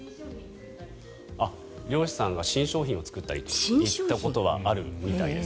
漁師さんが新商品を作ったりといったことはあるみたいです。